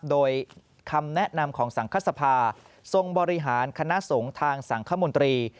โดยคำแนะนำของสังคสภาทรงบริหารคณะสงฆ์ทางสังคมนตรี